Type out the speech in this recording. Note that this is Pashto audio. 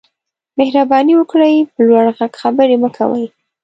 مهرباني وکړئ په لوړ غږ خبرې مه کوئ